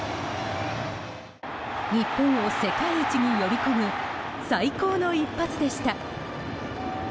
日本を世界一に呼び込む最高の一発でした。